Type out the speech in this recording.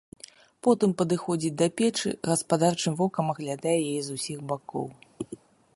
Потым падыходзіць да печы, гаспадарчым вокам аглядае яе з усіх бакоў.